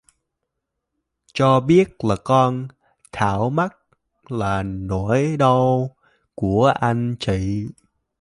Cho biết là con Thảo mất là nỗi đau của anh chị